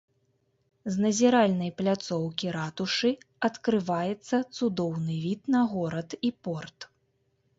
З назіральнай пляцоўкі ратушы адкрываецца цудоўны від на горад і порт.